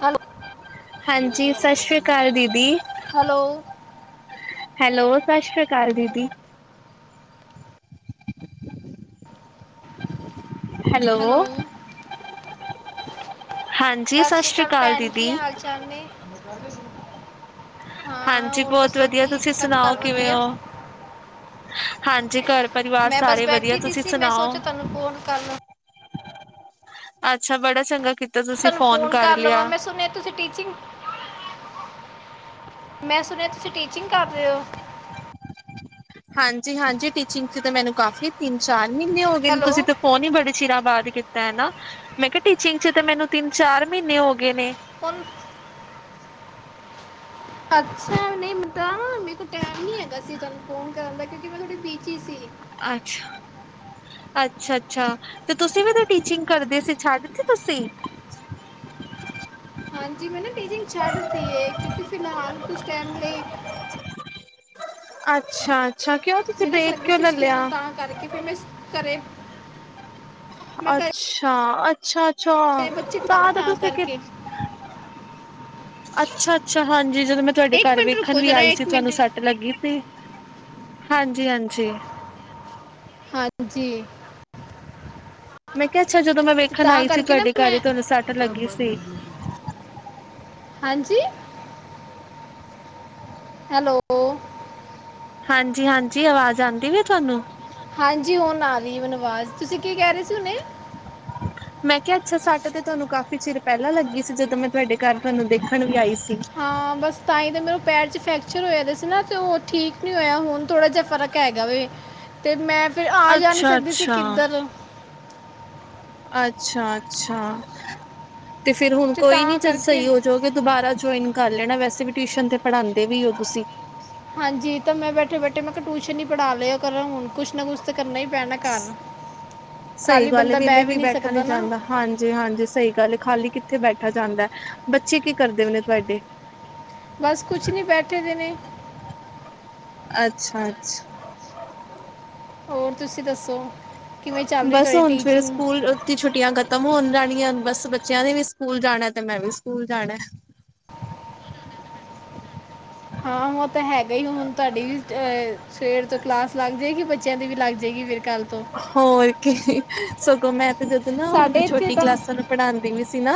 Hello ਹਾਂਜੀ, ਸਤਿ ਸ੍ਰੀ ਅਕਾਲ ਦੀਦੀ। ਹੈਲੋ ਹੈਲੋ, ਸਤਿ ਸ੍ਰੀ ਅਕਾਲ ਦੀਦੀ। ਹੈਲੋ ਸਤਿ ਸ੍ਰੀ ਅਕਾਲ ਭੈਣ, ਕੀ ਹਾਲ ਚਾਲ ਨੇ। ਹਾਂ ਹਾਂਜੀ ਹੋਰ ਬਹੁਤ ਦੱਸੋ ਵਧੀਆ, ਕੀ ਤੁਸੀਂ ਸਭ ਸੁਣਾਓ, ਘਰ ਕਿਵੇਂ ਵਧੀਆ ਹੋ। ਹਾਂਜੀ ਘਰ ਪਰਿਵਾਰ ਮੈਂ ਬਸ ਸਾਰੇ ਵਧੀਆ, ਬੈਠੀ ਦੀ ਤੁਸੀਂ ਸੀ ਮੈਂ ਸੋਚਿਆ ਸੁਣਾਓ। ਤੁਹਾਨੂੰ ਫੋਨ ਕਰ ਲਵਾਂ ਅੱਛਾ ਬੜਾ ਚੰਗਾ, ਕੀਤਾ ਤੁਸੀਂ ਤੁਹਾਨੂੰ ਫੋਨ ਕਰ ਲਵਾਂ ਲਿਆ। ਮੈਂ ਸੁਣਿਆ ਤੁਸੀਂ ਟੀਚਿੰਗ, ਮੈਂ ਸੁਣਿਆ ਤੁਸੀਂ ਟੀਚਿੰਗ ਕਰ ਰਹੇ ਹੋ। ਹਾਂਜੀ ਹਾਂਜੀ, ਟੀਚਿੰਗ ਚ ਤਾਂ ਮੈਨੂੰ ਕਾਫ਼ੀ ਤਿੰਨ ਚਾਰ ਮਹੀਨੇ ਹੋ ਗਏ ਨੇ, ਹੈਲੋ ਤੁਸੀਂ ਉਹ ਨੀ ਬੜੇ ਚਿਰਾਂ ਬਾਅਦ ਕੀਤਾ ਹੈ ਨਾ, ਮੈਂ ਕਿਹਾ ਟੀਚਿੰਗ ਚ ਤਾਂ ਮੈਨੂੰ ਤਿੰਨ ਚਾਰ ਮਹੀਨੇ ਹੋ ਗਏ ਨੇ। ਹੁਣ ਅੱਛਾ ਨਹੀਂ ਪਤਾ, ਮੇਰੇ ਕੋਲ ਟੈਮ ਨੀ ਹੈਗਾ ਸੀ ਤੁਹਾਨੂੰ ਫੋਨ ਕਰਨ ਦਾ ਮੈਂ ਥੋੜੀ ਬਿਜ਼ੀ ਸੀ। ਅੱਛਾ ਅੱਛਾ ਅੱਛਾ, ਤੇ ਤੁਸੀਂ ਵੀ ਇਹਦੇ ਟੀਚਿੰਗ ਕਰਦੇ ਸੀ ਛੱਡ ਦਿੱਤੀ ਤੁਸੀਂ। ਹਾਂਜੀ ਮੈਂ ਨਾ ਟੀਚਿੰਗ ਛੱਡ ਦੀ ਹੈ, ਕਿਉਂਕਿ ਫਿਲਹਾਲ ਕੁਛ ਟਾਈਮ ਲਈ ਅੱਛਾ ਅੱਛਾ, ਕਿਉਂ ਤੁਸੀਂ ਮੇਰੇ ਬ੍ਰੇਕ, ਸਰਦੀ ਕਿਉਂ ਸੀ ਲੈ ਸਕੂਲ ਲਿਆ। ਤਾਂ ਕਰਕੇ ਫਿਰ ਮੈਂ, ਘਰੇ ਮੈਂ ਘਰੇ ਅੱਛਾ ਅੱਛਾ ਅੱਛਾ ਤਾਂ ਤੇ ਤੁਸੀਂ ਕਿ ਅੱਛਾ ਅੱਛਾ ਹਾਂਜੀ, ਜਦੋਂ ਮੈਂ ਤੁਹਾਡੇ ਘਰ ਵੇਖਣ ਵੀ ਆਈ ਸੀ ਤੁਹਾਨੂੰ ਸੱਟ ਲੱਗੀ ਸੀ, ਹਾਂਜੀ ਹਾਂਜੀ ਹਾਂਜੀ ਮੈਂ ਕਿਹਾ ਅੱਛਾ ਜਦੋਂ ਮੈਂ ਤੇ ਵੇਖਣ ਤਾਂ ਆਈ ਸੀ ਕਰਕੇ ਨਾ ਤੁਹਾਡੇ ਘਰ ਮੈਂ ਹੀ, ਤੁਹਾਨੂੰ ਸੱਟ ਲੱਗੀ ਸੀ। ਹਾਂਜੀ, ਹੈਲੋ ਹਾਂਜੀ ਹਾਂਜੀ, ਆਵਾਜ਼ ਆਉਂਦੀ ਵ ਤੁਹਾਨੂੰ ਹਾਂਜੀ ਹੁਣ ਆ ਰਹੀ ਹੈ ਮੈਨੂੰ ਅਵਾਜ਼, ਤੁਸੀਂ ਕੀ ਕਹਿ ਰਹੇ ਸੀ ਹੁਣੇ। ਮੈਂ ਕਿਹਾ ਅੱਛਾ ਸੱਟ ਤੇ ਤੁਹਾਨੂੰ ਕਾਫ਼ੀ ਚਿਰ ਪਹਿਲਾਂ ਲੱਗੀ ਸੀ, ਜਦੋਂ ਮੈਂ ਤੁਹਾਡੇ ਘਰ ਤੁਹਾਨੂੰ ਦੇਖਣ ਵੀ ਆਈ ਸੀ। ਹਾਂ ਬਸ ਤਾਂ ਹੀ ਤਾਂ ਮੇਰੇ ਪੈਰ 'ਚ ਫਰੈਕਚਰ ਹੋਇਆ ਦਾ ਸੀ ਨਾ, ਅਤੇ ਉਹ ਠੀਕ ਨਹੀਂ ਹੋਇਆ ਹੁਣ ਥੋੜ੍ਹਾ ਜਿਹਾ ਫਰਕ ਹੈਗਾ ਵੇ, ਤੇ ਮੈਂ ਫਿਰ ਆ ਜਾ ਨਹੀਂ ਸਕਦੀ ਸੀ ਅੱਛਾ-ਅੱਛਾ, ਕਿੱਧਰ। ਅੱਛਾ ਅੱਛਾ, ਤੇ ਫਿਰ ਹੁਣ ਤੇ ਕੋਈ ਨੀ ਤਾਂ ਜਦੋਂ ਕਰਕੇ ਸਹੀ ਹੋ ਜੋ ਕਿ ਦੁਬਾਰਾ ਜੁਆਇਨ ਕਰ ਲੈਣਾ, ਵੈਸੇ ਵੀ ਟਿਊਸ਼ਨ ਤੇ ਪੜ੍ਹਾਉਂਦੇ ਵੀ ਹੋ ਤੁਸੀਂ। ਹਾਂਜੀ ਤਾਂ ਮੈਂ ਬੈਠੇ ਬੈਠੇ ਮੈਂ ਕਿਹਾ ਟਿਊਸ਼ਨ ਹੀ ਪੜ੍ਹਾ ਲਿਆ ਕਰ ਹੁਣ ਕੁਛ ਨਾ ਕੁਛ ਤਾਂ ਕਰਨਾ ਹੀ ਪੈਣਾ ਘਰ ਸਹੀ ਖਾਲੀ ਗੱਲ ਬੰਦਾ ਵੇਲੇ ਬਹਿ ਵੀ ਨੀ ਬੈਠਾ ਸਕਦਾ ਨਾ ਜਾਂਦਾ ਹਾਂਜੀ ਹਾਂਜੀ ਸਹੀ ਗੱਲ ਖਾਲੀ ਕਿੱਥੇ ਬੈਠਾ ਜਾਂਦਾ ਬੱਚੇ ਕੀ ਕਰਦੇ ਵੀ ਨੇ ਤੁਹਾਡੇ ਬਸ ਕੁਛ ਨੀ, ਬੈਠੇ ਦੇ ਨੇ ਅੱਛਾ ਅੱਛਾ ਹੋਰ ਤੁਸੀਂ ਦੱਸੋ ਕਿਵੇਂ ਚੱਲ ਰਹੀ ਬਸ ਤੁਹਾਡੀ ਹੁਣ ਫਿਰ ਟੀਚਿੰਗ ਸਕੂਲ ਛੁੱਟੀਆਂ ਖਤਮ ਹੋਣ ਜਾਣੀਆਂ, ਬਸ ਬੱਚਿਆਂ ਨੇ ਵੀ ਸਕੂਲ ਜਾਣਾ, ਤੇ ਮੈਂ ਵੀ ਸਕੂਲ ਜਾਣਾ। ਹਾਂ ਉਹ ਤਾਂ ਹੈਗਾ ਹੀ, ਹੁਣ ਤੁਹਾਡੀ ਵੀ ਅਹ ਸਵੇਰ ਤੋਂ ਕਲਾਸ ਲੱਗ ਜਾਏਗੀ, ਬੱਚੇ ਬੱਚਿਆਂ ਦੀ ਵੀ ਲੱਗ ਜਾਏਗੀ, ਫਿਰ ਕੱਲ੍ਹ ਤੋਂ ਹੋਰ ਕੀ, ਸਗੋਂ ਮੈਂ ਤੇ ਜਦੋਂ ਨਾ ਹੁਣ ਸਾਡੇ ਇੱਥੇ ਛੋਟੀ ਤਾਂ ਕਲਾਸਾਂ ਨੂੰ ਪੜ੍ਹਾਉਂਦੀ ਵੀ ਸੀ ਨਾ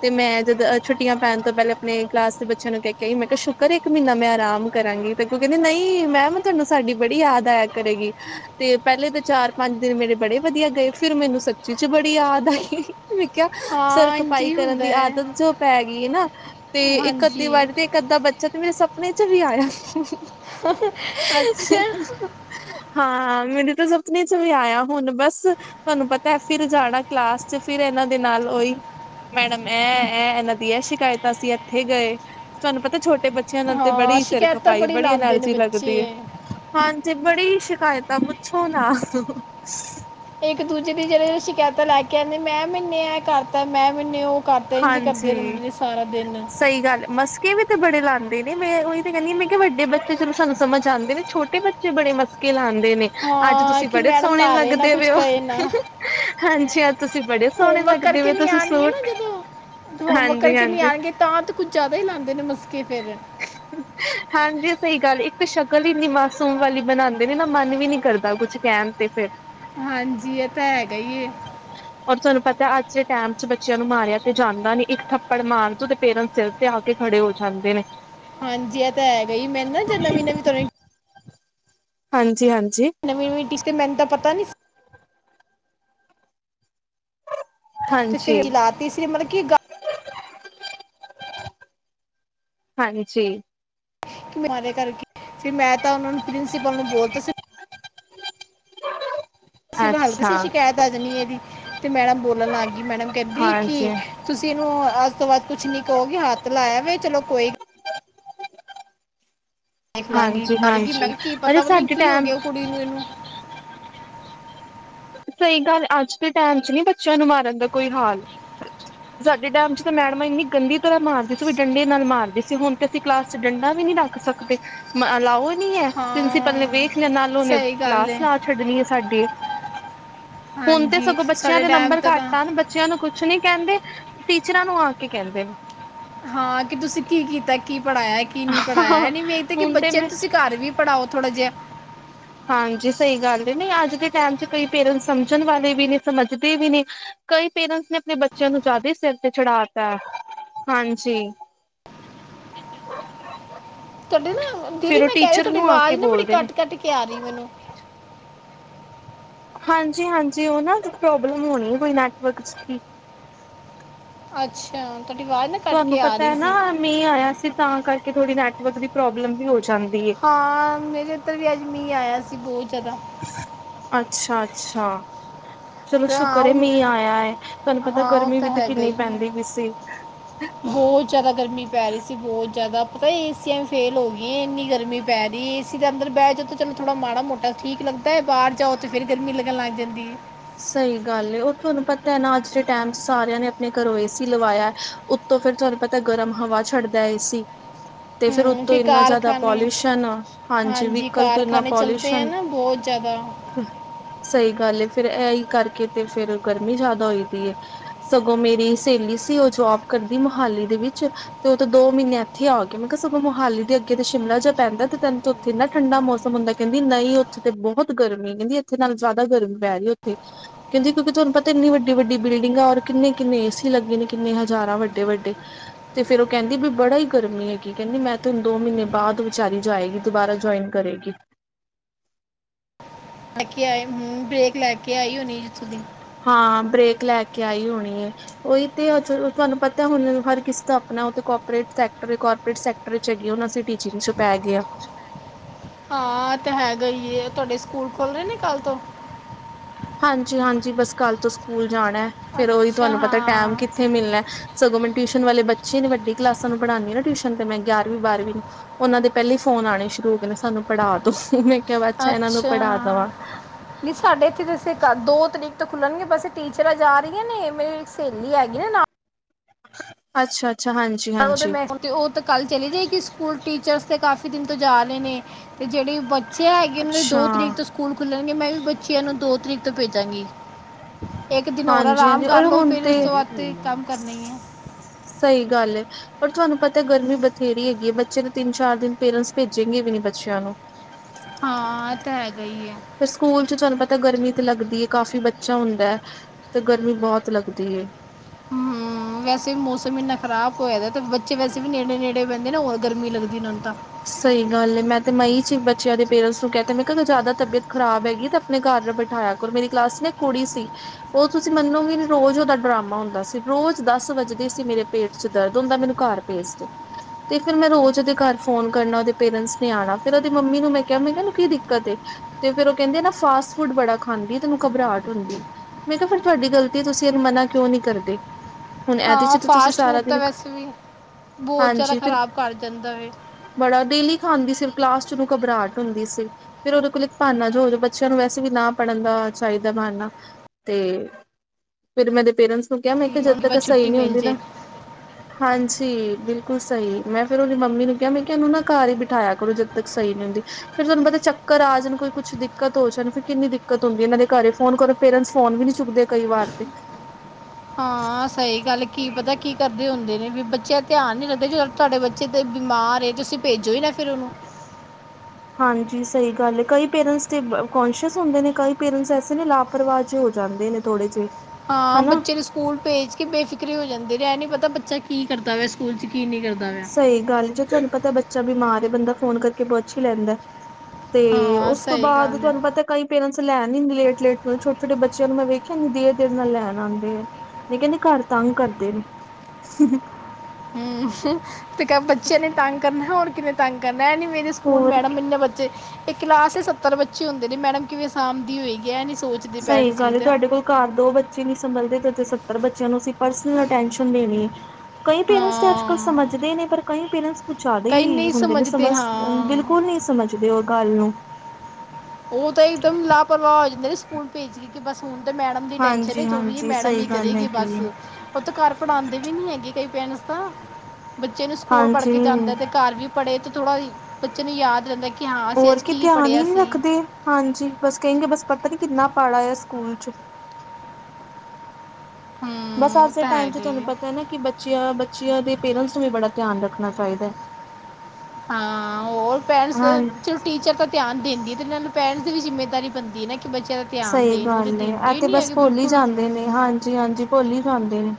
ਤੇ ਮੈਂ ਜਦ ਛੁੱਟੀਆਂ ਪੈਣ ਤੋਂ ਪਹਿਲਾਂ ਆਪਣੇ ਕਲਾਸ ਦੇ ਬੱਚਿਆਂ ਨੂੰ ਕਹਿ ਕੇ ਆਈ, ਮੈਂ ਕਿਹਾ ਸ਼ੁਕਰ ਏ, ਇੱਕ ਮਹੀਨਾ ਮੈਂ ਆਰਾਮ ਕਰਾਂਗੀ ਤੇ ਕੋਈ ਕਹਿੰਦੇ ਨਹੀਂ ਮੈਮ ਤੁਹਾਨੂੰ ਸਾਡੀ ਬੜੀ ਯਾਦ ਆਇਆ ਕਰੇਗੀ ਤੇ ਪਹਿਲੇ ਤਾਂ ਚਾਰ ਪੰਜ ਦਿਨ ਮੇਰੇ ਬੜੇ ਵਧੀਆ ਗਏ ਫਿਰ ਮੈਨੂੰ ਸੱਚੀ ਚ ਬੜੀ ਯਾਦ ਆਈ ਮੈਂ ਕਿਹਾ ਸਰਕ ਪਾਈ ਹਾਂਜੀ ਕਰਨ ਹੁੰਦਾ ਦੀ ਹੈ ਆਦਤ ਜੋ ਪੈ ਗਈ ਹਨਾ ਤੇ ਇੱਕ ਅੱਧੀ ਹਾਂਜੀ ਵਾਰੀ ਤੇ ਅੱਦਾ ਬੱਚਾ ਤੇ ਮੇਰੇ ਸਪਨੇ ਚ ਵੀ ਆਇਆ ਅੱਛਾ ਹਾਂ ਮੇਰੀ ਤਾਂ ਸਪਨੀ ਚ ਵੀ ਆਇਆ ਹੁਣ ਬਸ ਤੁਹਾਨੂੰ ਪਤਾ ਫਿਰ ਜਾਣਾ ਕਲਾਸ ਚ ਫਿਰ ਇਹਨਾਂ ਦੇ ਨਾਲ ਉਹੀ ਮੈਡਮ ਐ ਐ ਇਹਨਾਂ ਦੀ ਇਹ ਸ਼ਿਕਾਇਤਾਂ ਅਸੀਂ ਇੱਥੇ ਗਏ ਤੁਹਾਨੂੰ ਪਤਾ ਛੋਟੇ ੇ ਬੱਚਿਆਂ ਨਾਲ ਤੇ ਹਾਂ ਬੜੀ ਸਿਰਕ ਸ਼ਿਕਾਇਤਾਂ ਪਾਈ ਬੜੀ ਲਾਉਂਦੇ ਨੇ ਐਨਰਜੀ ਲੱਗਦੀ ਹੈ ਬੱਚੇ ਹਾਂਜੀ ਬੜੀ ਸ਼ਿਕਾਇਤਾਂ ਪੁੱਛੋ ਨਾ ਇੱਕ ਦੂਜੇ ਦੀ ਜਿਹੜੇ ਸ਼ਿਕਾਇਤਾਂ ਲੈ ਕੇ ਆਂਦੀ ਮੈਂ ਮੰਨੇ ਆ ਇਹ ਕਰਤਾ ਮੈਂ ਮੰੈਨੇ ਉਹ ਕਰਾਤੇ ਹੀ ਜੀ ਕਰਦੇ ਹਾਂਜੀ ਰਹਿੰਦੇ ਨੇ ਸਾਰਾ ਦਿਨ ਸਹੀ ਗੱਲ ਮਸ ਬੱਚੇ ਵੀ ਬੜੇ ਲਾਂਦੇ ਨੇ ਮੈਂ ਉਹੀ ਤਾਂ ਕਹਿੰਦੀ ਮੈਂ ਕਿ ਵੱਡੇ ਬੱਚੇ ਚਲੋ ਸਾਨ ਸਮਝ ਆਉਂਦੇ ਨੇ ਛੋਟੇ ਬੱਚੇ ੱਚ ਬੜੇ ਮਸਕ ਆਉਂਦੇ ਨੇ ਅੱਜ ਹਾਂ ਤੁਸੀਂ ਕਿ ਬੜੇ ਮੈਡਮ ਸੋਹਣੇ ਮਾਰੇ ਨਾ ਲੱਗਦੇ ਕੁਝ ਪ ਹੋ ਕਹੇ ਨਾ ਹਾਂਜੀ ਅੱ ਤੁਸੀਂ ਬੜੇ ਸੋਹਣੇ ਹੋਮਵਰਕ ਲੱਗਦੇ ਹੋ ਤੁਸੀਂ ਸੂਟ ਜ ਹੋਮਵਰਕ ਕਰਕੇ ਨੀ ਹਾਂਜੀ-ਹਾਂਜੀ। ਹਾਂਜੀ ਆਉਣਗੇ ਤਾਂ ਤੇ ਕੁੱਝ ਜ਼ਿਆਦਾ ਹੀ ਲਾਉਦੇ ਨੇ ਮਸਕੇ ਫੇਰ ਹਾਂਜੀ ਸਹੀ ਗੱਲ ਇੱਕ ਤਾਂ ਸ਼ਕਲ ਇੰਨੀ ਮਾਸੂਮ ਵਾਲੀ ਬਣਾਉਂਦੇ ਨੇ ਨਾ ਮਨ ਵੀ ਨਹੀਂ ਕਰਦਾ ਕੁਛ ਕਹਿਣ ਤੇ ਫਿਰ ਹਾਂਜੀ ਇਹ ਤਾਂ ਹੈਗਾ ਹੀ ਰ ਤੁਹਾਨੂੰ ਪਤਾ ਅੱਜ ਦੇ ਟੈਮ ਚ ਬੱਚਿਆਂ ਨੂੰ ਮਾਰਿਆ ਤੇ ਜਾਂਦਾ ਨੀ ਇੱਕ ਥੱਪੜ ਮਾਰ ਤੋਦੇ ਪੇਰੈਂਟ ਸਿਰ ਤੇ ਆ ਖੜੇ ਹੋ ਜਾਂਦੇ ਨੇ ਹਾਂਜੀ ਇਹ ਤਾਂ ਹੈਗਾ ਹੀ ਮੈਨੂੰ ਨਾ ਜਨਮਨਵ ਤ ਹਾਂਜੀ ਹਾਂਜੀ ਨਵੀਂਵੀਂ ਟੀ ਤੇ ਮੈਨੂੰ ਤਾਂ ਪਤਾ ਨ ਸੀ ਤੇ ਹਾਂਜੀ ਫਿਰ ਲਾਤੀ ਸੀ ਮਤਲਬ ਕਿ ਗਾ- ਹਾਂਜੀ ਮ ਕਰਕੇ ਫਿਰ ਮੈਂ ਤਾਂ ਉਹਨਾਂ ਨੂੰ ਪ੍ਰਿੰਸੀਪਲ ਨੂੰ ਬੋਲਤਾ ਸੀ ਹਲਕ ਸੀ ਅੱਛਾ। ਸ਼ਿਕਾਇਤ ਆ ਜਾਣੀ ਇਹਦੀ ਤੇ ਮੈਡਮ ਬੋਲਣ ਲੱਗ ਗਈ ਮੈਡਮ ਕਹਿੰਦੀ ਕਿ ਹਾਂਜੀ, ਤੁਸੀਂ ਇਹਨੂੰ ਅੱ ਤੋਂ ਬਾਅਦ ਕੁਛ ਨੀ ਕਹੋਗੇ ਹੱਥ ਲਾਇਆ ਵ ਚਲੋ ਕੋਈ ਲਾਂਗੀ ਹਾਂਜੀ, ਤ ਗਈ ਮੈਂ ਹਾਂਜੀ ਕਿਹਾ ਕੀ ਅਰੇ ਪਤਾ ਪਤਾ ਸਾਡੇ ਕੀ ਹੋ ਟੈਮ ਗਿਆ ਉਹ ਕੁੜੀ ਨੂੰ ਇਹਨੂੰ ਸਹੀ ਗੱਲ ਅੱਜ ਦੇ ਟੈਮ ਚ ਨਹੀਂ ਬੱਚਿਆਂ ਨੂੰ ਮਾਰਨ ਦਾ ਕੋਈ ਹਾਲ ਅੱ ਸਾਡੇ ਟਾਈਮ ਚ ਤਾਂ ਮੈਡਮਾਂ ਇੰਨੀ ਗੰਦੀ ਤਰ੍ਹਾਂ ਮਾਰਦੀ ਸੀ ਵੀ ਡੰਡੇ ਨਾਲ ਮਾਰਦੀ ਸੀ ਹੁਣ ਤੇ ਅਸੀਂ ਕਲਾਸ ਚ ਡੰਡਾ ਵੀ ਨ ਰੱਖ ਸਕਦੇ ਇਲਾਓ ਹੈ ਪ੍ਰਿੰਸੀਪਲ ਨੇ ਹਾਂ ਵੇਖ ਲਿਆ ਨਾਲ ਉਹਨੇ ਸਹੀ ਗੱਲ ਕਲਾਸ ਹੈ ਨਾ ਛੱਡਣੀ ਹੈ ਸਾਡੇ ਹੁਣ ਤੇ ਹਾਂਜੀ ਸਗੋਂ ਬੱਚਿਆਂ ਸਾਡੇ ਦੇ ਟਾਈਮ ਨੰਬਰ ਤਾਂ ਤਾਂ ਘੱਟ ਆਨ। ਬੱਚਿਆਂ ਨੂੰ ਕੁਛ ਨੀ ਕਹਿੰਦੇ, ਟੀਚਰਾਂ ਨੂੰ ਆ ਕੇ ਕਹਿੰਦੇ ਨੇ। ਹਾਂ, ਕਿ ਤੁਸੀਂ ਕੀ ਕੀਤਾ, ਕੀ ਪੜਾਇਆ, ਕੀ ਨਹੀ ਪੜਾਇਆ, ਇਹ ਨਹੀਂ ਵੇਖਦੇ ਕਿ ਹੁਣ ਤੇ ਬੱਚਿਆਂ ਨੂੰ ਮੈਂ ਤੁਸੀਂ ਘਰ ਵੀ ਪੜ੍ਹਾਓ ਥੋੜਾ ਜਿਹਾ। ਹਾਂਜੀ, ਸਹੀ ਗੱਲ ਹੈ। ਨਹੀਂ ਅੱਜ ਦੇ ਟਾਈਮ ਚ ਕਈ ਪੇਰੈਂਟਸ ਸਮਝਣ ਵਾਲੇ ਵੀ ਨੇ, ਸਮਝਦੇ ਵੀ ਨੇ। ਕਈ ਪੇਰੈਂਟਸ ਨੇ ਆਪਣੇ ਬੱਚਿਆਂ ਨੂੰ ਜ਼ਿਆਦਾ ਸਿਰ ਤੇ ਚੜ੍ਹਾ ਤਾ । ਹਾਂਜੀ ਤੁਹਾਡੇ ਨਾ ਦੀਦੀ, ਫੇਰ ਉਹ ਮੈਂ ਕਹਿ ਰਹੀ ਟੀਚਰ ਤੁਹਾਡੀ ਨੂੰ ਆ ਕੇ ਆਵਾਜ਼ ਨਾ ਬੜੀ ਬੋਲਦੇ ਨੇ ਕੱਟ- ਕੱਟ ਕੇ ਆ ਰਹੀ ਮੈਨੂੰ। ਹਾਂਜੀ- ਹਾਂਜੀ ਉਹ ਨਾ ਪ੍ਰੋਬਲਮ ਹੋਣੀ ਕੋਈ ਨੈਟਵਰਕ ਚ ਕੀ। ਅੱਛਾ ਤੁਹਾਡੀ ਆਵਾਜ਼ ਨਾ ਕੱਟ ਤੁਹਾਨੂੰ ਕੇ ਆ ਪਤਾ ਰਹੀ ਹੈ, ਨਾ ਸੀ ਮੀਂ ਆਇਆ ਸੀ ਤਾਂ ਕਰਕੇ ਥੋੜ੍ਹੀ ਨੈਟਵਰਕ ਦੀ ਪ੍ਰੋਬਲਮ ਵੀ ਹੋ ਜਾਂਦੀ। ਹਾਂ, ਮੇਰੇ ਇਧਰ ਵੀ ਅੱਜ ਮੀਂ ਆਇਆ ਸੀ ਬਹੁਤ ਜ਼ਿਆਦਾ। ਅੱਛਾ -ਅੱਛਾ। ਚਲੋ ਤੇ ਹਾਂ ਸ਼ੁਕਰ ਏ, ਮੀਂਹ ਉਹ- ਆਇਆ ਹੈ, ਤੁਹਾਨੂੰ ਪਤਾ ਹਾਂ ਉਹ ਗਰਮੀ ਵੀ ਤਾਂ ਹੈਗਾ ਕਿੰਨੀ ਹੀ ਹੈ ਪੈਂਦੀ ਪਈ ਸੀ। ਬਹੁਤ ਜ਼ਿਆਦਾ ਗਰਮੀ ਪੈ ਰਹੀ ਸੀ, ਬਹੁਤ ਜ਼ਿਆਦਾ ਪਤਾ, ਏਸੀਆਂ ਵੀ ਫੇਲ ਹੋ ਗਈਆਂ ਇੰਨੀ ਗਰਮੀ ਪੈ ਰਹੀ। ਅਸੀ ਦੇ ਅੰਦਰ ਬਹਿ ਜਾਓ ਤਾਂਾਨ ਥੋੜ੍ਹਾੜਾ ਮੋਾ ਠੀਕ ਲੱਦਾ ਬਾਹਰ ਜਾਓ ਫਿਰ ਗਰਮੀ ਲੱਗਣ ਲੱਗ ਜਾਂਦੀ ਹੈ ਸਹੀ ਗੱਲ ਉਹ ਤੁਹਾਨੂੰ ਪਤਾ ਹੈ ਨਾ ਅੱਜ ਦੇ ਟਾਈਮ ਸਾਰਿਆਂ ਨੇ ਆਪਣੇ ਘਰੋਂ ਏ ਸੀ ਲਵਾਇਆ ਉੱਤੋਂ ਫਿਰ ਤੁਹਾਨੂੰ ਪਤਾ ਗਰਮ ਹਵਾ ਛੱਡਦਾ ਏ ਸੀ ਹਾਂ ਹਮ ਫ ਕਾਰਖਾਨੇ, ਪੋਲਿਊਸ਼ਨ ਹਾਂਜੀ ਵਹੀਕਲ ਤੋਂ ਇੰਨਾ ਕਾਰਖਾਨੇ ਚਲਦੇ ਆ ਪੋਲਿਊਸ਼ਨ ਨਾ ਬਹੁਤ ਜ਼ਿਆਦਾ। ਸਹੀ ਗੱਲ ਹੈ ਫਿਰ ਇਹੀ ਕਰਕੇ ਤੇ ਫਿਰ ਗਰਮੀ ਜ਼ਿਆਦਾ ਹੋਈ ਪਈ ਹੈ। ਸਗੋਂ ਮੇਰੀ ਸਹੇਲੀ ਸੀ ਉਹ ਜੋਬ ਕਰਦੀ ਮੋਹਾਲੀ ਦੇ ਵਿੱਚ ਦੋ ਮਹੀਨੇ ਇੱਥੇ ਆ ਗਈ ਤੇ ਮੈਂ ਕਿਹਾ ਸਗੋਂ ਮੋਹਾਲੀ ਦੇ ਅੱਗੇ ਤੇ ਸ਼ਿਮਲਾ ਜਿਹਾ ਪੈਂਦਾ ਤੈਨੂੰ ਤੇ। ਕਿੰਨਾ ਠੰਡਾ ਮੌਸਮ ਹੁੰਦਾ, ਕਹਿੰਦੀ ਨਹੀਂ ਉੱਥੇ ਤੇ ਬਹੁਤ ਗਰਮੀ, ਕਹਿੰਦੀ ਇੱਥੇ ਨਾਲ ਜਿਆਦਾ ਗਰਮੀ। [unintelligible] [unintelligible] ਕਹਿੰਦੀ, ਕਿਉਂਕਿ ਤੁਹਾਨੂੰ ਪਤਾ ਇੰਨੀ ਵੱਡੀ- ਵੱਡੀ ਬਿਲਡਿੰਗ ਔਰ ਕਿੰਨੇ -ਕਿੰਨੇ ਏਸੀ ਲੱਗੇ ਨੇ ਕਿੰਨੇ ਹਜ਼ਾਰਾਂ ਵੱਡੇ- ਵੱਡੇ। ਤੇ ਫਿਰ ਉਹ ਕਹਿੰਦੀ ਵੀ ਬੜਾ ਹੀ ਗਰਮੀ ਹੈਗੀ ਕਹਿੰਦੀ, ਮੈਂ ਤੇ ਹੁਣ ਦੋ ਮਹੀਨੇ ਬਾਅਦ ਵਿਚਾਰੀ ਜਾਏਗੀ ਦੁਬਾਰਾ ਜੁਆਇਨ। ਕਰੇਗੀ। [unintelligible] [unintelligible] ਹਾਂ, ਬ੍ਰੇਕ ਲੈ ਕੇ ਆਈ ਹੋਣੀ ਏ। ਉਹੀ ਤੇ ਤੁਹਾਨੂੰ ਪਤਾ ਹੁਣ ਹਰ ਕਿਸ ਦਾ ਆਪਣਾ ਉਥ ਕਾਰਪੋਰੇਟ ਸੈਕਟਰ, ਕੋਰਪਰੇਟ ਸੈਕ [unintelligible] [unintelligible] ਹਾਂ, ਤੇ ਹੈਗਾ ਹੀ ਹੈ ਤੁਹਾਡੇ ਸਕੂਲ ਖੁਲ੍ਹ ਰਹੇ ਨੇ ਕੱਲ੍ਹ ਤੋਂ। ਹਾਂਜੀ -ਹਾਂਜੀ ਬਸ ਕੱਲ੍ਹ ਤੋਂ ਸਕੂਲ ਜਾਣਾ ਫਿਰ ਉਹੀ ਅੱਛਾ ਤੁਹਾਨੂੰ ਪਤਾ ਟੈਮ ਹਾਂ ਕਿੱਥੇ ਮਿਲਣਾ। ਸਗੋਂ ਮੈਂ, ਟਿਊਸ਼ਨ ਵਾਲੇ ਬੱਚੇ ਨੇ ਵੱਡੀ ਕਲਾਸਾਂ ਨੂੰ ਪੜਾਉਂਦੀ ਹਾਂ ਨਾ ਟਿਊਸ਼ਨ ਤੇ ਮੈਂ ਗਿਆਰਵੀ, ਬਾਰਵੀਂ ਨੂੰ। ਉਹਨਾਂ ਦੇ ਪਹਿਲੇ ਫੋਨ ਆਣੇ ਸ਼ੁਰੂ ਹੋ ਗਏ ਨੇ, ਸਾਨੂੰ ਪੜ੍ਹਾ ਦੋ ਮੈਂ ਕਿਹਾ, ਅੱਛਾ ਇਹਨਾਂ ਨੂੰ ਪੜ੍ਹਾ ਦੇਵਾਂ। ਨਹੀਂ ਸਾਡੇ ਇੱਥੇ ਤਾਂ ਦੋ ਤਰੀਕ ਤੋਂ ਖੁੱਲਣਗੇ, ਬਸ ਟੀਚਰਾਂ ਜਾ ਰਹੀਆਂ ਨੇ ਮੇਰੀ ਸਹੇਲੀ ਹੈਗੀ ਨਾ ਨਾਲ ਅੱਛਾ -ਅੱਛਾ। ਹਾਂਜੀ ਪਰ ਉਹਦੇ ਮੈਂ ਅਤੇ ਉਹ ਤਾਂ ਕੱਲ੍ਹ ਚਲੀ ਜਾਏਗੀ ਸਕੂਲ ਟੀਚਰਸ ਤਾਂ ਕਾਫੀ ਦਿਨ ਤੋਂ ਜਾ ਰਹੇ ਨੇ ਅਤੇ ਜਿਹੜੀ ਬ ਬੱਚੇ ਹੈਗੇ ਉਹ ਦੇ ਅੱਛਾ ਦੋ ਤਰੀਕ ਤੋਂ ਸਕੂਲ ਖੁੱਲਣਗੇ, ਮੈਂ ਵੀ ਬੱਚਿਆਂ ਨੂੰ ਦੋ ਤਰੀਕ ਤੋਂ ਭੇਜਾਂਗੀ। ਇੱਕ ਦਿਨ ਹੋਰ ਆਰਾਮ ਹਾਂਜੀ-ਹਾਂਜੀ ਕਰ ਔਰ ਲੋ ਹੁਣ ਫਿਰ ਉਸ ਤੇ ਤੋਂ ਬਾਦ ਕੰਮ ਕਰਨਾ ਹੀ ਹੈ। ਸਹੀ ਗੱਲ ਏ। ਪਰ ਤੁਹਾਨੂੰ ਪਤਾ, ਗਰਮੀ ਬਥੇਰੀ ਹੈਗੀ ਹੈ ਬੱਚੇ ਨੂੰ ਤਿੰਨ ਚਾਰ ਦਿਨ ਪੇਰੈਂਟਸ ਭੇਜੇਗੇ ਵੀ ਨੀ ਬੱਚਿਆਂ ਨੂੰ। ਹਾਂ, ਇਹ ਤਾਂ ਹੈਗਾ ਹੀ ਹੈ। ਫਿਰ ਸਕੂਲ ਚ ਤੁਹਾਨੂੰ ਪਤਾ ਗਰਮੀ ਤੇ ਲੱਗਦੀ ਹੈ ਕਾਫ਼ੀ ਬੱਚਾ ਹੁੰਦਾ ਹੈ। ਤੇ, ਗਰਮੀ ਬਹੁਤ ਲੱਗਦੀ ਏ। ਹਮ, ਵੈਸੇ ਵੀ ਮੌਸਮ ਇੰਨਾ ਖ਼ਰਾਬ ਹੋਇਆਦਾ ਤੇ ਬੱਚੇ ਵੈਸੇ ਵੀ ਨੇੜੇ ਨੇੜੇ ਪੈਂਦੇ ਨਾ ਗਰਮੀ ਲਗਦੀ ਇਹਨਾਂ ਨੂੰ ਤਾਂ। ਸਹੀ ਗੱਲ ਹੈ, ਮੈਂ ਤੇ ਮਈ ਚ ਬੱਚਿਆਂ ਦੇ ਪੇਰੈਂਟਸ ਨੂੰ ਕਹਿ ਤਾਂ ਕਿ ਜ਼ਿਆਦਾ ਤਬੀਅਤ ਖ਼ਰਾਬ ਹੈਗੀ ਤਾਂ ਆਪਣੇ ਘਰ ਬਿਠਾਇਆ ਕਰੋ ਮੇਰੀ ਕਲਾਸ ਨਾ ਇੱਕ ਕੁੜੀ ਸੀ ਉਹ ਤੁਸੀਂ ਮੰਨੋਗੇ ਨ ਰੋਜ਼ ਉਹਦਾ ਡਰਾਮਾ, ਹੁੰਦਾ ਸੀ ਰੋਜ਼ ਦਸ ਵੱਜਦੀ ਸੀ ਮੇਰੇ ਪੇਟ ਚ ਦਰਦ ਹੁੰਦਾ ਮੈਨੂੰ ਘਰ ਭੇਜ ਦੋ, ਤੇ ਫਿਰ ਮੈਂ ਰੋਜ਼ ਉਹਦੇ ਘਰ ਫੋਨ ਕਰਨਾ ਉਹਦੇ ਪੇਰੈਂਟਸ ਨੇ ਆਉਣਾ ਫਿਰ ਉਹਦੀ ਮੰਮੀ ਨੂੰ ਮੈਂ ਕਿਹਾ ਮੈਂਨੂੰ ਕੀ ਦਿੱਕਤ ਤੇ ਫਿਰ ਉਹ ਕਹਿੰਦੇ ਨਾ ਫਾਸਟ ਫੂਡ ਬੜਾ ਖਾਂਦੀ ਤੇ ਤੈਨੂੰ ਘਬਰਾਹ ਹੁੰਦੀ। ਮੈਂ ਕਿਹਾ ਫਿਰ ਤੁਹਾਡੀ ਗਲਤੀ ਤੁਸੀਂ ਮਨਾ ਕਿਉਂ ਨਹੀਂ ਕਰਦੇ ਹੁਣ ਇਹਦੇ ਚ ਹਾਂ ਤੇ ਤੁਸੀਂ ਫਾਸਟ ਸਾਰਾ ਫੂਡ ਤਾਂ ਦਿਨ ਵੈਸੇ ਵੀ ਬਹੁਤ ਜ਼ਿਆਦਾ ਹਾਂਜੀ ਫਿਰ ਖ਼ਰਾਬ ਕਰ ਜਾਂਦਾ ਵ ਬੜਾ, ਡੇਲੀ ਖਾਂਦੀ ਸੀ ਕਲਾਸ ਚ ਉਹਨੂੰ ਘਬਰਾਹਟ ਹੁੰਦੀ ਸੀ ਫਿਰ ਉਹਦੇ ਕੋਲ ਇੱਕ ਬਹਾਨਾ ਜਦੋ ਬੱਚਿਆਂ ਨੂੰ ਵੈਸੇ ਵੀ ਨਾ ਪੜ੍ਹਨ ਦਾ ਚਾਹੀਦਾ ਬਹਾਨਾ ਤੇ, ਫਿਰ ਮੇਰੇ ਪੇਰੈਂਟਸ ਨੂੰ ਕਿਹਾ ਮੈਂ ਕਿਹਾ ਜਦ ਹੁਣ ਕਿ ਤੱਕ ਬਸ ਸਹੀ ਛੁੱਟੀ ਨੀ ਮਿਲ ਹੁੰਦੀ ਨਾ ਜੇ ਹਾਂਜੀ ਬਿਲਕੁਲ ਸਹੀ ਮੈਂ ਫੇਿਰ ਉਹ ਮੇਰੀ ਮੰਮੀ ਨੇ ਕਿਹਾ ਮੈਂ ਕਿਹਾ ਇਹਨੂੰ ਨਾ ਘਰ ਬਿਠਾਇਆ ਕਰੋ ਜਦ ਤੱਕ ਸਹੀ ਨਹੀ ਹੁੰਦੀ ਫੇਰ ਤੁਹਾਨੂੰ ਪਤਾ ਚੱਕਰ ਆ ਜਾਣ ਕੋਈ ਕੁਛ ਦਿੱਕਤ ਹੋ ਜਾਣ ਫਿਰ ਕਿੰਨੀ ਦਿੱਕਤ ਹੁੰਦੀ ਇਹਨਾਂ ਦੇ ਘਰ ਫੋਨ ਕਰੋ ਪੇਰੈਂਟਸ ਫੋਨ ਵੀ ਨਹੀ ਚੁੱਕਦੇ ਕਈ ਵਾਰ ਤੇ ਹਾਂ ਸਹੀ ਗੱਲ ਕੀ ਪਤਾ ਕੀ ਕਰਦੇ ਹੁੰਦੇ ਨੇ ਵੀ ਬੱਚੇ ਦਾ ਧਿਆਨ ਨੀ ਰੱਖਦੇ, ਜੋਂ ਤੁਹਾਡੇ ਬੱਚੇ ਤੇ ਬਿਮਾਰ ਏ ਤੁਸੀਂ ਭੇਜੋ ਹੀ ਨਾ ਫਿਰ ਉਹਨੂੰ। ਹਾਂਜੀ ਸਹੀ ਗੱਲ ਹੈ, ਕਈ ਪੇਰੈਂਟਸ ਤੇ ਕੋਂਸ਼ੀਅਸ ਹੁੰਦੇ ਨੇ ਕਈ ਪੇਰੈਂਟਸ ਐਸੇ ਨੇ ਲਾਭ ਪਰਵਾ ਜੇ ਹੋ ਜਾਂਦੇ ਨੇ ਥੋੜੇ ਜਿਹੇ। ਹਾਂ, ਹਨਾ ਬੱਚੇ ਨੂੰ ਸਕੂਲ ਭੇਜ ਕੇ ਬੇਫਿਕਰੀ ਹੋ ਜਾਂਦੀ ਹੈ ਇਹ ਨੀ ਪਤਾ ਬੱਚਾ ਕੀ ਕਰਦਾ ਪਇਆ ਸਕੂਲ ਚ ਕੀ ਨਹੀਂ ਕਰਦਾ। ਹੋਇਆ ਸਹੀ ਗੱਲ, ਜੇ ਤੁਹਾਨੂੰ ਪਤਾ ਬੱਚਾ ਬਿਮਾਰ ਹੈ ਬੰਦਾ ਫੋਨ ਕਰਕੇ ਪੁੱਛ ਹੀ ਲੈਂਦਾ। ਤੇ, ਹਾਂ ਉਸ ਤੋਂ ਸਹੀ ਬਾਅਦ ਗੱਲ ਹੈ ਤੁਹਾਨੂੰ ਪਤਾ ਕਈ ਪੇਰੈਂਟਸ ਲੈਣੀ ਹੁੰਦੇ ਲੇਟ ਲੇਟ ਛੋਟੇ ਛੋਟੇ ਬੱਚਿਆਂ ਨੂੰ ਮੈਂ ਵੇਖਿਆ ਦੇਰ ਦੇਰ ਨਾਲ ਲੈਣ ਆਉਦੇ ਆ ਨਹੀਂ ਕਹਿੰਦੇ ਘਰ ਤੰਗ ਕਰਦੇ ਨੇ ਹਮ ਤੇ ਬੱਚਿਆਂ ਨੇ ਤੰਗ ਕਰਨਾ ਹੋਰ ਕਿਵੇਂ ਤੰਗ ਕਰਨਾ ਨੀ ਮੇਰੇ ਸਕੂਲ ਹੋਰ ਮੈਡਮ ਇੰਨੇ ਬੇ ਇਹ ਕਲਾਸ ਸੱਤਰ ਬੱਚੇ ਹੁੰਦੇ ਨੇ ਮੈਡਮ ਕਿਵੇ ਅਸਾਮ ਦੀ ਹੋਈਗੀ ਇਹ ਨੀ ਸੋਚਦੇ ਸਹੀ ਪਰਟਸ ਵੀ ਗੱਲ ਹੈ ਤਾਂ ਤੁਹਾਡੇ ਕੋਲ ਘਰ ਦੋ ਬੱਚੇ ਨੀ ਸੰਭਲਦੇ ਤੇ ਉਥੇ ਸੱਤਰ ਬੱਚਿਆਂ ਨੂੰ ਅਸੀਂ ਪਰਸਨਲ ਅਟੈਂਸ਼ਨ ਦੇਣੀ ਹੈ ਕਈ ਪੇਰੈਂਟਸ ਤੇ ਅੱਜ ਕੱਲ ਹਾਂ ਸਮਝਦੇ ਨੇ ਪਰ ਕਈ ਪੇਰੈਂਟਸ ਕੁਛ ਜ਼ਿਆਦਾ ਕਈ ਹੀ ਨਹੀਂ ਹੁੰਦੇ ਨੇ ਸਮਝਦੇ ਸਮਝ ਹਾਂ ਬਿਲਕੁਲ ਨਹੀਂ ਸਮਝ ਪੁੱਛਦੇਓ ਗੱਲ ਨੂੰ ਉਹ ਤਾਂ ਇੱਕਦਮ ਲਾਪਰਵਾਹ ਹੋ ਜਾਂਦਾ ਨੇ ਸਕੂਲ ਭੇਜ ਕੇ ਕਿ ਬਸ ਹੁਣ ਤਾਂ ਮੈਡਮ ਦੀ ਟੈਂਨਸ਼ਨ ਹੈ ਹਾਂਜੀ ਜੋ ਵੀ ਹਾਂਜੀ ਮੈਡਮ ਸਹੀ ਹੀ ਗੱਲ ਕਰੇਗੀ ਹੈਗੀ ਬਸ ਹੈ ਉਹ ਤਾਂ ਘਰ ਪੜ੍ਹਾਉਂਦੇ ਵੀ ਨਹੀਂ ਹੈਗੇ ਕਈ ਪੇਰੈਂਟਸ ਤਾਂ ਬੱਚੇ ਨੂੰ ਸਕੂਲ ਪੜ੍ਹ ਕੇ ਹਾਂਜੀ। ਜਾਂਦਾ ਅਤੇ ਘਰ ਵੀ ਪੜ੍ਹੇ ਤੇ ਥੋੜ੍ਹਾ ਜ ਬੱਚੇ ਨੂੰ ਯਾਦ ਰਹਿੰਦਾ ਕਿ ਹਾਂ ਅਸੀਂ ਹੋਰ ਅੱਜ ਕੀ ਧਿਆਨ ਪੜ੍ਹਿਆ ਹੀ ਨਹੀਂ ਸੀ ਰੱਖਦੇ ਹਾਂਜੀ ਬਸ ਕਹਿੰਗੇ ਬਸ ਪਤਾ ਨੀ ਕਿੰਨਾ ਪੜ ਆ ਸਕੂਲ ਚ ਬਸ ਹਮ ਉਹ ਅੱਜ ਦੇ ਤਾਂ ਟਾਈਮ ਚ ਹੈਗਾ ਤੁਹਾਨੂੰ ਹੀ ਪਤਾ ਹੈ ਨਾ ਕਿ ਬੱਚਿਆਂ ਬੱਚਿਆਂ ਦੇ ਪੇਰੈਂਟਸ ਨੂੰ ਵੀ ਬੜਾ ਧਿਆਨ ਰੱਖਣਾ ਚਾਹੀਦਾ ਹੈ। ਹਾਂ ਹੋਰ ਪੈਰੈਂਟਸ ਹਾਂ ਚਲੋ ਟੀਚਰ ਤਾਂ ਧਿਆਨ ਦਿੰਦੀ ਹੈ ਅਤੇ ਇਹਨਾਂ ਨੂੰ ਪੈਰੈਂਟਸ ਦੀ ਵੀ ਜ਼ਿੰਮੇਦਾਰੀ ਬਣਦੀ ਹੈ ਨਾ ਕਿ ਬੱਚਿਆਂ ਧਿਆਨ ਸਹੀ ਦੇਣ ਉਹ ਤੇ ਗੱਲ ਹੈ ਦਿੰਦੇ ਹੀ ਇਥੇ ਨਹੀਂ ਬਸ ਹੈਗੇ ਭੋਲੀ ਬਿਲਕੁਲ ਜਾਂਦੇ ਨੇ ਹਾਂਜੀ ਹਾਂਜੀ ਭੋਲੀ ਜਾਂਦੇ ਨੇ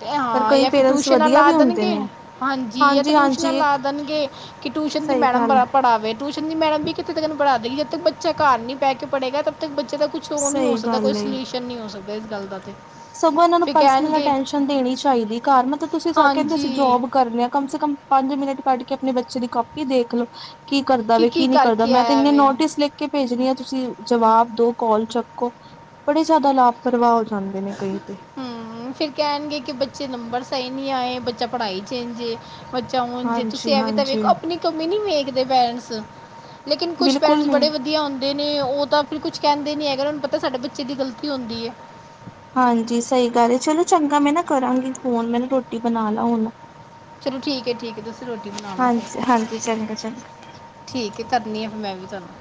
ਤੇ ਪਰ ਹਾਂ ਕਈ ਯ ਫਿਰ ਪੇਰੈਂਟਸ ਟਿਊਸ਼ਨਾਂ ਵਧੀਆ ਲਾ ਵੀ ਹੁੰਦੇ ਦੇਣਗੇ ਨੇ ਹਾਂਜੀ ਆ ਤੇ ਟਊਸ਼ਨਾਂ ਹਾਂਜੀ ਲਾ ਇੱਕ ਦੇਣਗੇ ਕਿ ਟਿਊਸ਼ਨ ਦੀ ਸਹੀ ਮੈਡਮ ਗੱਲ ਬੜਾ ਪੜ੍ਹਾਵੇ ਟਿਊਸ਼ਨ ਦੀ ਮੈਡ ਵੀ ਕਿੱਤੇ ਪੜ੍ਹਾ ਦੇਗੀ ਜਦ ਤੱਕ ਬੱਚ ਘਰ ਨਹੀਂ ਪੈ ਕੇ ਪੜੇਗਾ ਤੱਕ ਬੱਚੇ ਦਾ ਕੁਛ ਸ਼ੋ ਨੀ ਹੋ ਸਹੀ ਸਕਦਾ ਕੋਈ ਗੱਲ ਏ ਸਲਿਊਸ਼ਨ ਨਹੀਂ ਹੋ ਸਕਦਾ ਇਸ ਗੱਲ ਦਾ ਤੇ ਸਗੋਂ ਇਹਨਾਂ ਨੂੰ ਫਿਰ ਪਰਸਨਲ ਕਹਿਣਗੇ ਅਟੈਸ਼ਨ ਦੇਣੀ ਚਾਹੀਦੀ ਘਰ ਮਤਲਬ ਤੁਸੀਂ ਕਹਿੰਦੇ ਅਸੀਂ ਹਾਂਜੀ ਜੋਬ ਕਰਨੇ ਆ ਕਮ ਸੇ ਕਮ ਪੰਜ ਮਿੰਟ ਕੱਢ ਕੇ ਆਪਣੇ ਬੱਚੇ ਦੀ ਕਾਪੀ ਦੇਖ ਲਓ ਕੀ ਕਰਦਾ ਵਾਂ ਕੀ ਨਹੀਂ ਕਰਦਾ ਕਰਕੇ ਮੈਂ ਤੇ ਆਇਆ ਇੰਨੇ ਵੇ ਨੋਟਿਸ ਲਿਖ ਕੇ ਭੇਜਣੀ ਆ ਤੁਸੀਂ ਜਵਾਬ ਦੋ ਕਾਲ ਚੱਕੋ ਬੜੇ ਜ਼ਿਆਦਾ ਲਾਪਰਵਾਹ ਹੋ ਜਾਂਦੇ ਗਈ ਤੇ ਫਿਰ ਕਹਿਣਗੇ ਕਿ ਬੱਚੇ ਨੰਬਰ ਸਹੀ ਨਹੀਂ ਆਏ ਬੱਚਾ ਪੜ੍ਹਾਈ ਚ ਏਂਜੇ ਬੱਚਾ ਹੁਣ ਜੇ ਹਾਂਜੀ ਤੁਸੀਂ ਐਵੇ ਤਾਂ ਹਾਂਜੀ ਵੇਖੋ ਆਪਣੀ ਕਮੀ ਨਹੀਂ ਵੇਖਦੇ ਪੈਰੈਂਟਸ ਲੇਕਿਨ ਕੁਛ ਬਿਲਕੁਲ ਪਏਰੈਂਟਸ ਬੜੇ ਨੀ ਵਧੀਆ ਹਦੇ ਨੇ ਉਹ ਤਾਂ ਫਿਰ ਕੁਛ ਕਹਿੰਦੇ ਨੀ ਹੈਗਾ ਉਹਨੂੰ ਪਤਾ ਸਾਡੇ ਬੱਚੇ ਦੀ ਗਲਤੀ ਹੁੰਦੀ ਹੈ ਹਾਂਜੀ ਸਹੀ ਗੱਲ ਚਲੋ ਚੰਗਾ ਮੈਂ ਨਾ ਕਰਾਂਗੀ ਫੋਨ ਮੈਂ ਨਾ ਰੋਟੀ ਬਣਾ ਲਾ ਹੁਣ ਚਲੋ ਠੀਕ ਹੈ ਠੀਕ ਹੈ ਤੁਸੀਂ ਰੋਟੀ ਬਣਾ ਲੋ ਹਾਂਜੀ ਫਿਰ ਹਾਂਜੀ ਚੰਗਾ ਚੰਗਾ ਠੀਕ ਹੈ ਕਰਨੀ ਆ ਫਿਰ ਮੈਂ ਵੀ ਤੁਹਾਨੂੰ